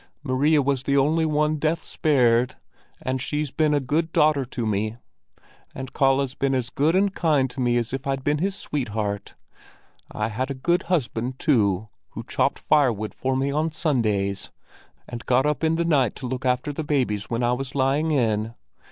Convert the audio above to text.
Maria was the only one death spared, but she's been a good daughter to me; and Kalle's been as good and kind to me as if I'd been his sweetheart. I had a good husband, too, who chopped firewood for me on Sundays, and got up in the night to look after the babies when I was lying in.